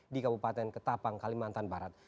di kabupaten ketapang kalimantan barat